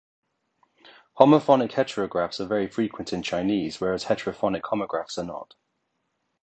Homophonic heterographs are very frequent in Chinese, whereas heterophonic homographs are not.